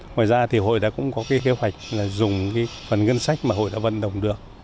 ngoài ra hội đã có kế hoạch dùng phần ngân sách mà hội đã vận động được